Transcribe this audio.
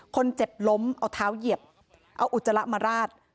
คนเจ็บล้มเอาเท้าเหยียบเอาอุจจาระมาราด